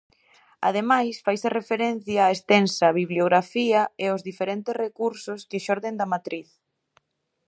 Ademais faise referencia á extensa bibliografía e aos diferentes recursos que xorden da matriz.